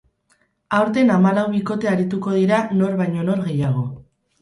Aurten hamalau bikote arituko dira nor baino nor gehiago.